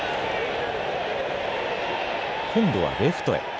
今度はレフトへ。